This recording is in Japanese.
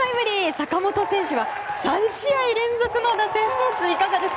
坂本選手は３試合連続の打点です。